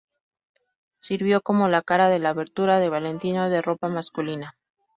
Sirvió como la cara de la abertura de Valentino de ropa masculina.